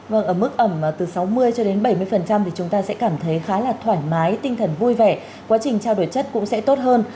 vâng ở mức ẩm từ sáu mươi cho đến bảy mươi thì chúng ta sẽ cảm thấy khá là thoải mái tinh thần vui vẻ quá trình trao đổi chất cũng sẽ tốt hơn